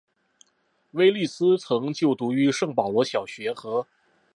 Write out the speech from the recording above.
威利斯曾就读于圣保罗小学和。